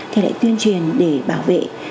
thì lại tuyên truyền về phòng chống đối nước cho trẻ em